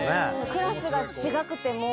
クラスが違くても。